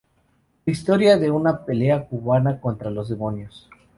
Historia de una pelea cubana contra los demonios